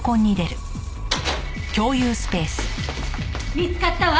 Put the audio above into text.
見つかったわ！